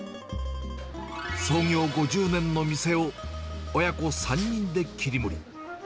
創業５０年の店を、親子３人で切り盛り。